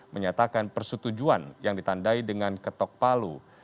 menyatakan persetujuan yang ditandai dengan ketok palu